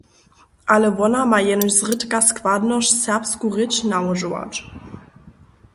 Ale wona ma jenož zrědka składnosć, serbsku rěč nałožować.